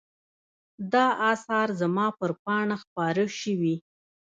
دا آثار زما پر پاڼه خپاره شوي.